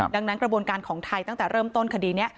ดังนั้นกระบวนการของไทยตั้งแต่เริ่มต้นคดีนี้